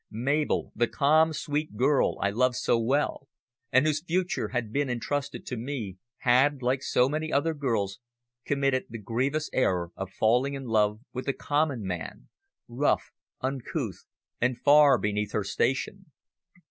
Mabel, the calm, sweet girl I loved so well, and whose future had been entrusted to me, had, like so many other girls, committed the grievous error of falling in love with a common man, rough, uncouth, and far beneath her station.